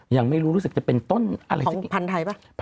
ยังไม่รู้รู้สึกจะเป็นต้นอะไรของพันธุ์ไทยป่ะ